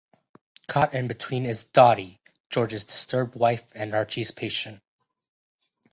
Caught in between is Dotty, George's disturbed wife and Archie's patient.